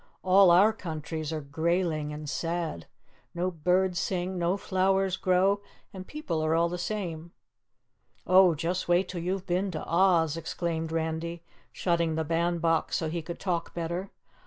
"All our countries are greyling and sad. No birds sing, no flowers grow, and people are all the same." "Oh, just wait till you've been to OZ," exclaimed Randy, shutting the band box so he could talk better.